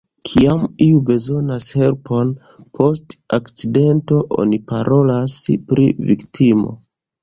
Kiam iu bezonas helpon post akcidento, oni parolas pri viktimo.